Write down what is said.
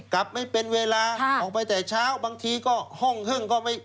กลับไม่เป็นเวลาออกไปแต่เช้าบางทีก็ห้องหึ้งก็ไม่